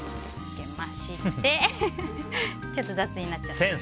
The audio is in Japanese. ちょっと雑になっちゃった。